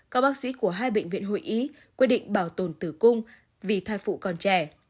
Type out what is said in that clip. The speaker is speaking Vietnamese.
các bác sĩ của hai bệnh viện hội ý quyết định bảo tồn tử cung vì thai phụ còn trẻ